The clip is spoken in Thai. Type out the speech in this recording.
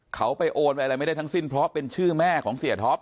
เขาไปโอนไปอะไรไม่ได้ทั้งสิ้นเพราะเป็นชื่อแม่ของเสียท็อป